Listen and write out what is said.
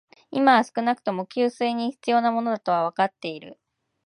今は少なくとも、給水に必要なものだとはわかっている